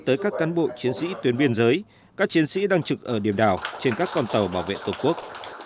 tới các cán bộ chiến sĩ tuyến biên giới các chiến sĩ đang trực ở điểm đảo trên các con tàu bảo vệ tổ quốc